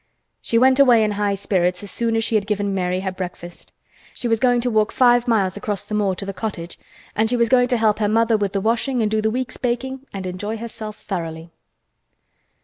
She went away in high spirits as soon as she had given Mary her breakfast. She was going to walk five miles across the moor to the cottage, and she was going to help her mother with the washing and do the week's baking and enjoy herself thoroughly.